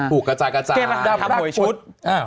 ถูกกระจายทำหวยชุด